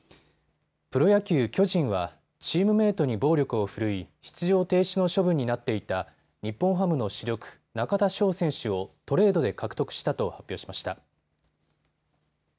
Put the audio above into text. プロ野球、巨人はチームメートに暴力を振るい出場停止の処分になっていた日本ハムの主力、中田翔選手をトレードで獲得したと発表しました。